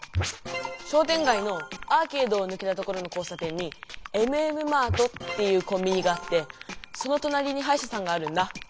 しょうてんがいのアーケードをぬけた所の交さ点にエムエムマートっていうコンビニがあってそのとなりにはいしゃさんがあるんだ。